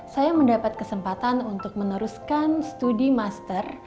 saya mendapat kesempatan untuk meneruskan studi master